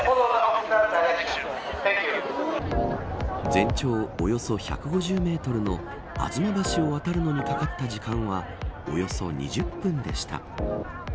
全長およそ１５０メートルの吾妻橋を渡るのにかかった時間はおよそ２０分でした。